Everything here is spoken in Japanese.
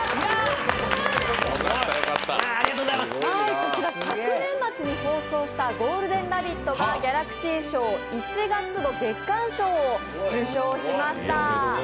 こちら昨年末に放送した「ゴールデンラヴィット！」がギャラクシー賞１月度月間賞を受賞しました。